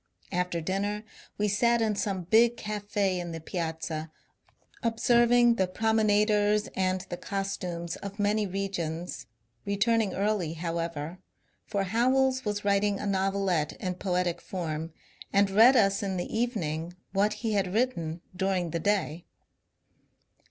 After dinner we sat in some big caf ^ in the Piazza observing the promenaders and the costumes of many regions ; returning early, however, for Howells was writing a novelette in poetic form and read us in the evening what he had written during the day.